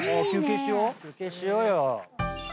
休憩しよう。